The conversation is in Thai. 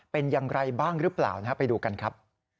เป็นอย่างไรบ้างหรือเปล่าไปดูกันครับ